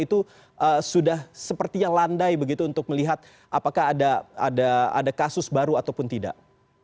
itu sudah sepertinya landai begitu untuk melihat apakah ada kasus baru ataupun tidak